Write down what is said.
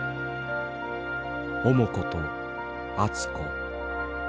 「重子」と「熱子」。